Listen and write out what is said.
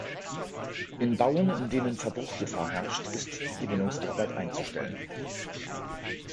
In Bauen, in denen Verbruchgefahr herrscht, ist die Gewinnungsarbeit einzustellen.